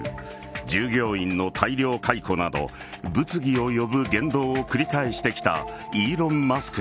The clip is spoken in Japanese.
従業員の大量解雇など物議を呼ぶ言動を繰り返してきたイーロン・マスク